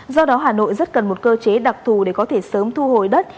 do đó hà nội rất cần một cơ chế đặc thù để có thể sớm thu hồi đất